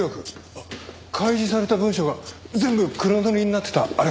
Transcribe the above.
あっ開示された文書が全部黒塗りになってたあれか？